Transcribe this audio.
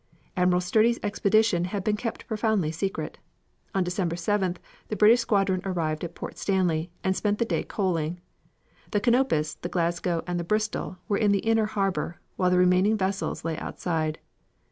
Admiral Sturdee's expedition had been kept profoundly secret. On December 7th the British squadron arrived at Port Stanley, and spent the day coaling. The Canopus, the Glasgow and the Bristol were in the inner harbor, while the remaining vessels lay outside.